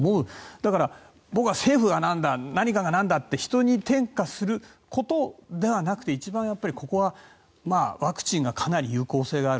だから、僕は政府がなんだ何かがなんだって人に転嫁することではなくて一番ここはワクチンがかなり有効性がある。